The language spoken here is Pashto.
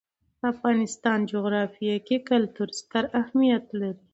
د افغانستان جغرافیه کې کلتور ستر اهمیت لري.